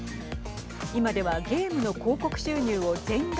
今ではゲームの広告収入を全額